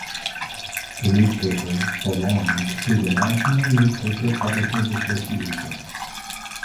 The newspaper belonged to the National Newspaper Publishers Association.